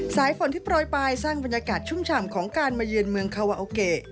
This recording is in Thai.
สายฝนที่โปรยไปสร้างบรรยากาศชุ่มฉ่ำของการมาเยือนเมืองคาวาโอเกะ